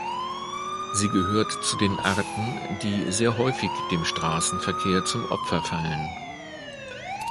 Sie gehört zu den Arten, die sehr häufig dem Straßenverkehr zum Opfer fallen.